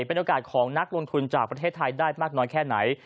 เป็นโอกาสของนักลงทุนจากประเทศไทยได้มากน้อยแค่ไหน